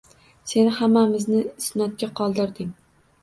Sen hammamizni isnodga qoldirding